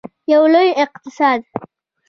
یو لوی اقتصاد.